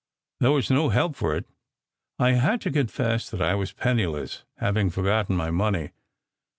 There was no help for it. I had to confess that I was penniless, having forgotten my money.